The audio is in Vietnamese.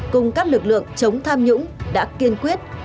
cùng các lực lượng chống tham nhũng đã kiên quyết